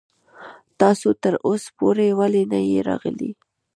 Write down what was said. تاسو تر اوسه پورې ولې نه يې راغلی.